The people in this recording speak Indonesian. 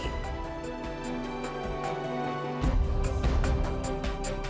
kan dia orangnya senang dipuji